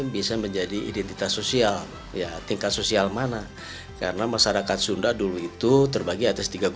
bisa menjadi identitas sosial ya tingkat sosial mana karena masyarakat sunda dulu itu terbagi atas